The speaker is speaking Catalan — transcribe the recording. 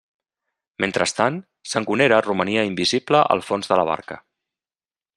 Mentrestant, Sangonera romania invisible al fons de la barca.